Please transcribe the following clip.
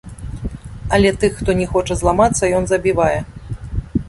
Але тых, хто не хоча зламацца, ён забівае.